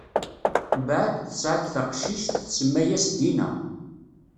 Mbeɛd, tesɛa-d taqcict, tsemma-yas Dina.